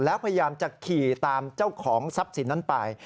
แล้วพยายามจะขี่ตามเจ้าของทรัพย์สินนั้นไป